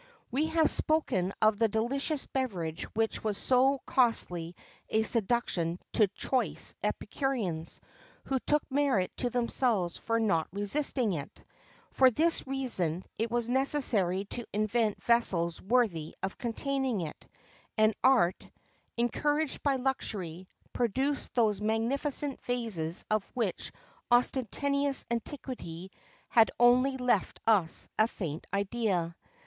We have spoken of the delicious beverage which was so costly a seduction to choice epicureans, who took merit to themselves for not resisting it; for this reason, it was necessary to invent vessels worthy of containing it; and art, encouraged by luxury, produced those magnificent vases of which ostentatious antiquity has only left us a faint idea.